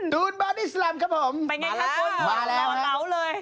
ตูนบาดที่สลัมครับผมมาแล้วครับเป็นไงค่ะคุณหลอเลย